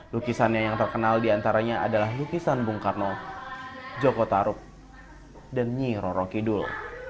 lukisannya yang terkenal diantaranya adalah lukisan bung karno joko taruk dan nyiro kidul